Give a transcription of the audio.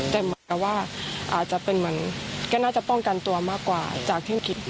แต่เหมือนกับว่าแกน่าจะป้องกันตัวมากกว่าจากที่คิด